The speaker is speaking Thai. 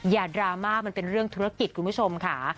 ดราม่ามันเป็นเรื่องธุรกิจคุณผู้ชมค่ะ